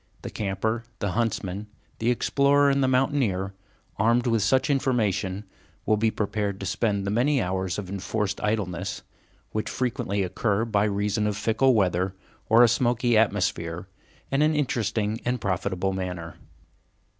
The camper, the huntsman, the explorer, and the mountaineer, armed with such information, will be prepared to spend the many hours of enforced idleness, which frequently occur by reason of fickle weather or a smoky atmosphere, in an interesting and profitable manner.